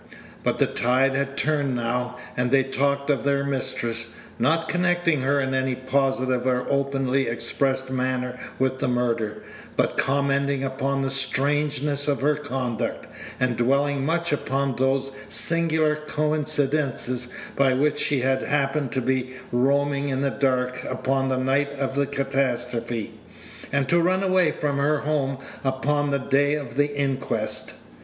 But the tide had turned now, and they talked of their mistress; not connecting her in any positive or openly expressed manner with the murder, but commenting upon the strangeness of her conduct, and dwelling much upon those singular coincidences by which she had happened to be roaming in the dark upon the night of the catastrophe, and to run away from her home upon the day of the inquest.